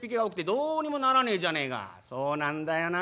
「そうなんだよな。